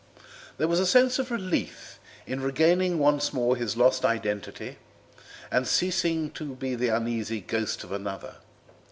There was a sense of relief in regaining once more his lost identity and ceasing to be the uneasy ghost of another.